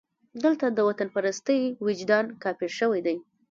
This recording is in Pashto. دلته د وطنپرستۍ وجدان کافر شوی دی.